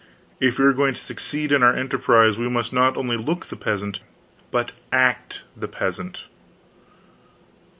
If we are going to succeed in our emprise, we must not only look the peasant but act the peasant."